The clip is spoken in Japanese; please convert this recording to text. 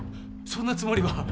そんなつもりは。